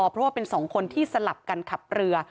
เพราะว่าเป็นสองคนที่สลับกันขับเรือ